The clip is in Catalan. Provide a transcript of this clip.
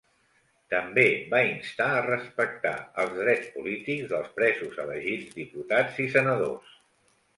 També va instar a respectar els drets polítics dels presos elegits diputats i senadors.